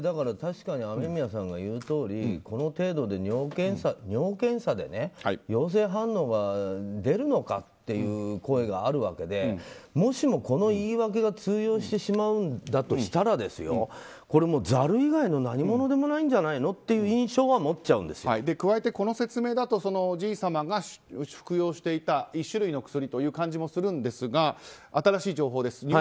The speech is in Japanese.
確かに雨宮さんが言うとおりこの程度で尿検査で陽性反応が出るのかという声があるわけでもしもこの言い訳が通用してしまうんだとしたらざる以外の何物でもないんじゃないのという加えて、この説明だとおじいさまが服用していた１種類の薬という感じもするんですが新しい情報です。